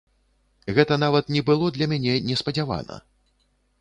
Гэта нават не было для мяне неспадзявана.